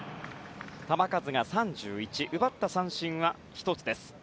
球数が３１奪った三振は１つです。